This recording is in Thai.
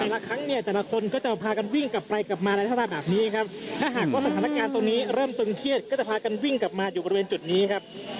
ละครั้งเนี่ยแต่ละคนก็จะพากันวิ่งกลับไปกลับมาในลักษณะแบบนี้ครับถ้าหากว่าสถานการณ์ตรงนี้เริ่มตึงเครียดก็จะพากันวิ่งกลับมาอยู่บริเวณจุดนี้ครับ